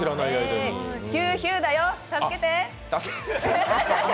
ヒューヒューだよ、助けて！